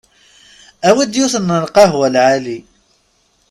Awi-d yiwet n lqahwa lɛali.